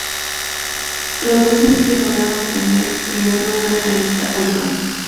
Los dos sencillos lograron obtener primer lugar en la lista "Oricon".